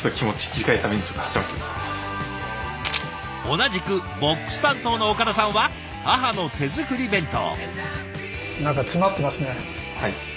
同じくＢＯＸ担当の岡田さんは母の手作り弁当。